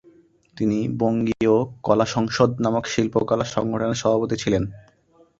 তিনি "বঙ্গীয় কলা সংসদ" নামক শিল্পকলা সংগঠনের সভাপতি ছিলেন।